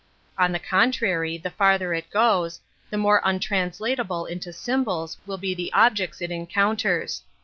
On the contrary, 1 farther it goes, the more untranslatable into eymbola will be the objects it en counters.